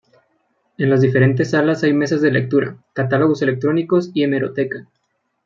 En las diferentes salas hay mesas de lectura, catálogos electrónicos y hemeroteca.